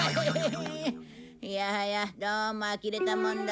いやはやどうもあきれたもんだ。